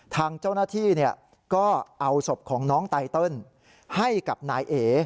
ทางเจ้าหน้าที่ก็เอาศพของน้องไตเติลให้กับนายเอ